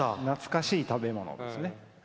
懐かしい食べ物ですね。